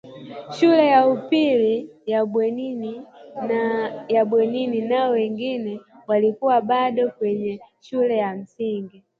shule ya upili ya bweni nao wengine walikuwa bado kwenye shule ya msingi